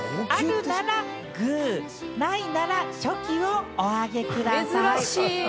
あるなら、グー、ないならチョキをお上げください。